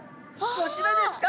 こちらですか？